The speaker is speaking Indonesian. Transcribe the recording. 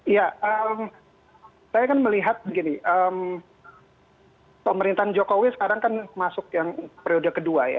ya saya kan melihat begini pemerintahan jokowi sekarang kan masuk yang periode kedua ya